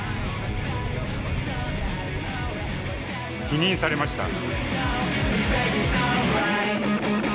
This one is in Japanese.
否認されました。